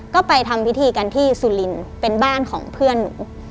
ก็ไปทำพิธีกันที่สุรินทร์เป็นบ้านของเพื่อนหนู